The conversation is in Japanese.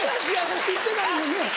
行ってないもんね？